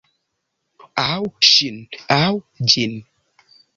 Aŭ... ŝin, aŭ ĝin.